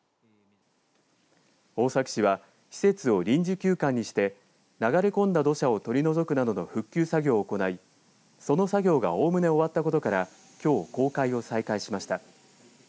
大崎市は施設を臨時休館にして流れ込んだ土砂を取り除くなどの復旧作業を行い、その作業がおおむね終わったことからきょう公開を再開しました。